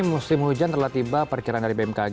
musim hujan telah tiba perkiraan dari bmkg